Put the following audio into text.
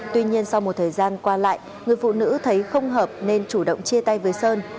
tuy nhiên sau một thời gian qua lại người phụ nữ thấy không hợp nên chủ động chia tay với sơn